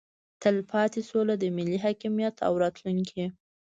تلپاتې سوله د ملي حاکمیت او راتلونکي